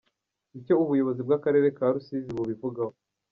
Icyo ubuyobozi bw’Akarere ka Rusizi bubivugaho.